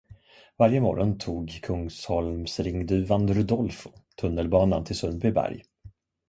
Varje morgon tog kungsholmsringduvan Rudolfo tunnelbanan till Sundbyberg.